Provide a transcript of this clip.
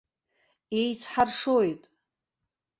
Еицҳаршоит.